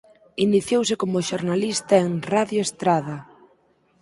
Iniciouse como xornalista en Radio Estrada.